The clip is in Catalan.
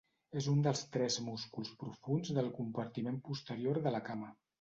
És un dels tres músculs profunds del compartiment posterior de la cama.